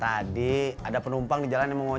tadi ada penumpang di jalan yang menggunakan